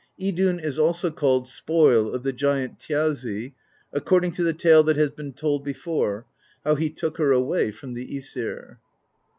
Idunn is also called Spoil of the Giant Thjazi, according to the tale that has been told before, how he took her away from the iEsir.